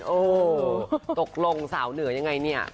เออตกลงสาวเหลือยังไงเนี่ย